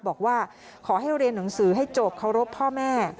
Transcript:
บอกว่าขอให้เรียนหนังสือให้จบเคารพพ่อแม่